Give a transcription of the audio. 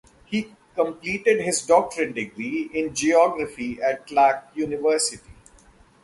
He completed his doctorate degree in geography at Clark University.